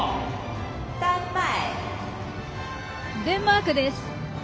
デンマークです。